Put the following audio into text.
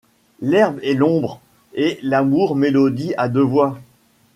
L'herbe et l'ombre, et l'amour, mélodie à deux voix.